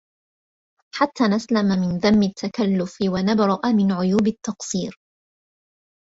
حَتَّى نَسْلَمَ مِنْ ذَمِّ التَّكَلُّفِ وَنَبْرَأَ مِنْ عُيُوبِ التَّقْصِيرِ